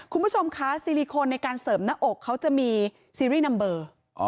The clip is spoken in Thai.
คุณผู้ชมคะซิลิโคนในการเสริมหน้าอกเขาจะมีซีรีส์นัมเบอร์